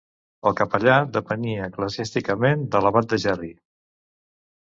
El capellà depenia eclesiàsticament de l'abat de Gerri.